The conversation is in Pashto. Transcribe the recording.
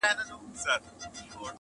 ستا د خالپوڅو د شوخیو وطن؛